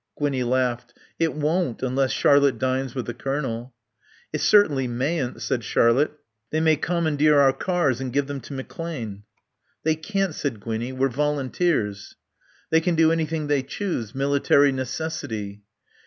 Gwinnie laughed. "It won't unless Charlotte dines with the Colonel." "It certainly mayn't," said Charlotte. "They may commandeer our cars and give them to McClane." "They can't," said Gwinnie. "We're volunteers." "They can do anything they choose. Military necessity."